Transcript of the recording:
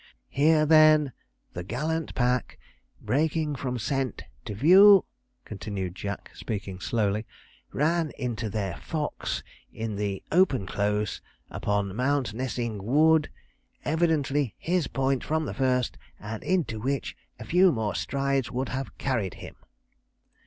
'"Here, then, the gallant pack, breaking from scent to view,"' continued Jack, speaking slowly, '"ran into their fox in the open close upon Mountnessing Wood, evidently his point from the first, and into which a few more strides would have carried him.